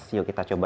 yuk kita coba